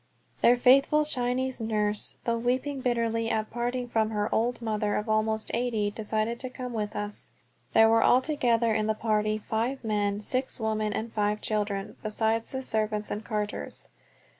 Their faithful Chinese nurse, though weeping bitterly at parting from her old mother of almost eighty, decided to come with us. There were altogether in the party five men, six women, and five children, besides the servants and carters.